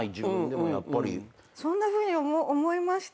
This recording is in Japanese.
そんなふうに思いました？